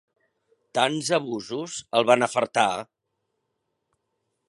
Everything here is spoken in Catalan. Tants abusos el van afartar.